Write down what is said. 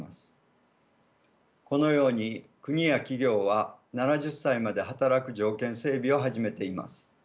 このように国や企業は７０歳まで働く条件整備を始めています。